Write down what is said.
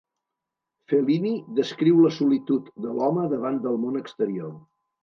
Fellini descriu la solitud de l'home davant del món exterior.